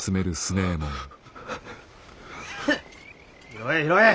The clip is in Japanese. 拾え拾え！